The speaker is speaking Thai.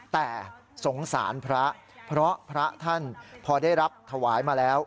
แต่สงสารพระเพราะพระท่านพอได้รับถวายมาแล้ว